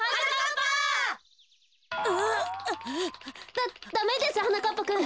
ダダメですはなかっぱくん。